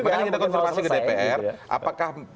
makanya kita konfirmasi ke dpr apakah